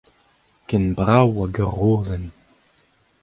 Ken brav hag ur rozenn.